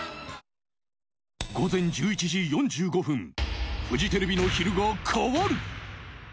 午前１１時４５分フジテレビの昼が変わる。